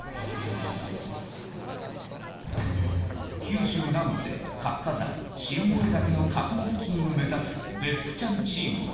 九州南部で活火山新燃岳の火口付近を目指す別府ちゃんチームは。